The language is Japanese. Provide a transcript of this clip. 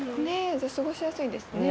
じゃあ過ごしやすいですね。